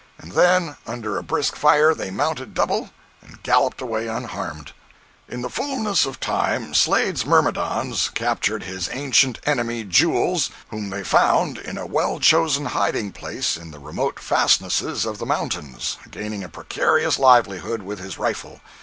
And then, under a brisk fire, they mounted double and galloped away unharmed! In the fulness of time Slade's myrmidons captured his ancient enemy Jules, whom they found in a well chosen hiding place in the remote fastnesses of the mountains, gaining a precarious livelihood with his rifle.